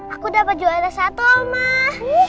aku dapat jualan satu omah